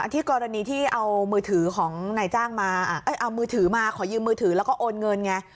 ที่กรณีที่เอามือถือของนายจ้างมาเอามือถือมาขอยืมมือถือแล้วก็โอนเงินไง